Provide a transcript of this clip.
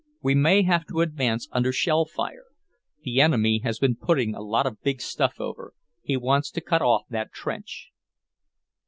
We may have to advance under shell fire. The enemy has been putting a lot of big stuff over; he wants to cut off that trench."